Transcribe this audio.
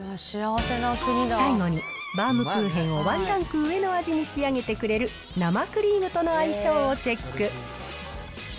最後に、バウムクーヘンをワンランク上の味に仕上げてくれる、生クリームとの相性をチェック。